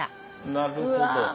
なるほど。